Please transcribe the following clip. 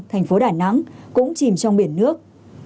thành phố đà nẵng cũng chìm trong biển nước